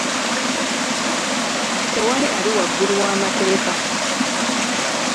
Tewali ali waggulu w'amateeka.